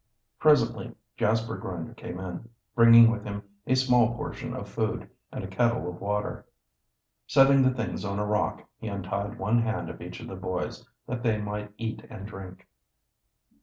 Presently Jasper Grinder came in, bringing with him a small portion of food and a kettle of water. Setting the things on a rock, he untied one hand of each of the boys, that they might eat and drink.